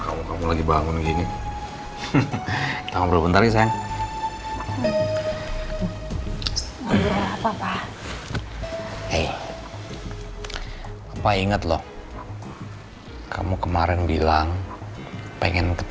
aku akan cerita lebih lanjut